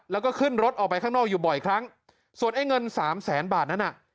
แล้วก็ขึ้นรถออกไปข้างนอกอยู่บ่อยครั้งส่วนไอ้เงินสามแสนบาทนั้นน่ะ